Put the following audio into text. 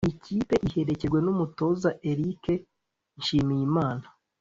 Iyi kipe iherekejwe n’umutoza Eric Nshimiyimana